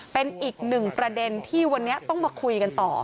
เป็นอีกหนึ่งประเด็นที่วันนี้ต้องมาคุยกันต่อ